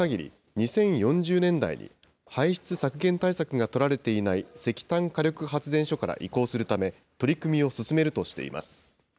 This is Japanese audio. ２０４０年代に、排出削減対策が取られていない石炭火力発電所から移行するため、取り組みを進めるとしています。